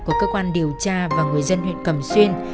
của cơ quan điều tra và người dân huyện cẩm xuyên